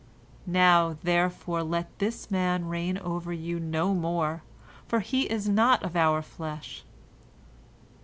Now, therefore, let this man reign over you no more, for he is not of our flesh.